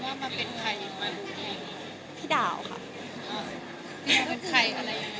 คือเป็นใครอะไร